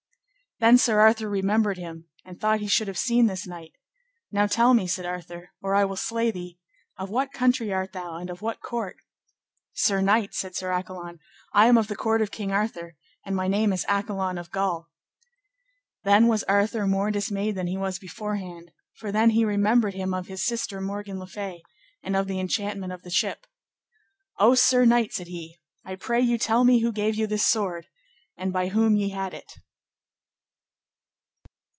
Then Sir Arthur remembered him, and thought he should have seen this knight. Now tell me, said Arthur, or I will slay thee, of what country art thou, and of what court? Sir Knight, said Sir Accolon, I am of the court of King Arthur, and my name is Accolon of Gaul. Then was Arthur more dismayed than he was beforehand; for then he remembered him of his sister Morgan le Fay, and of the enchantment of the ship. O sir knight, said he, I pray you tell me who gave you this sword, and by whom ye had it.